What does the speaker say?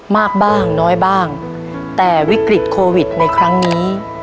มากบ้างน้อยบ้างแต่วิกฤตโควิดในครั้งนี้